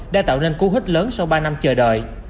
đã tạo nên cú hít lớn sau ba năm chờ đợi